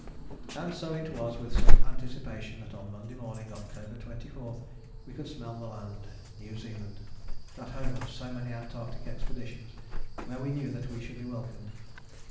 And so it was with some anticipation that on Monday morning, October 24, we could smell the land New Zealand, that home of so many Antarctic expeditions, where we knew that we should be welcomed.